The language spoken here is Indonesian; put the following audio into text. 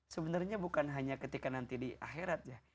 sebenarnya bukan hanya ketika nanti di akhirat ya